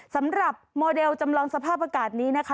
สำหรับโมเดลจำลองสภาพอากาศนี้นะคะ